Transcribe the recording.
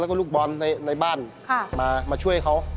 แล้วก็ลูกบอลในบ้านมาช่วยเขา